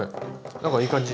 何かいい感じに。